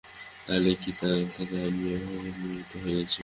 তাহলে কি তার থেকে আমিও সংক্রমিত হয়েছি?